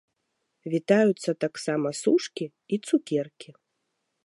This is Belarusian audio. Вітаюцца таксама сушкі і цукеркі!